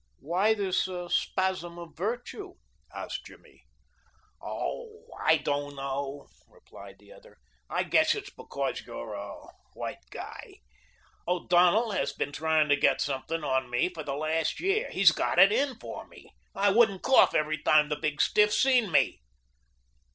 "Why this spasm of virtue?" asked Jimmy. "Oh, I don't know," replied the other. "I guess it's because you're a white guy. O'Donnell has been trying to get something on me for the last year. He's got it in for me I wouldn't cough every time the big stiff seen me."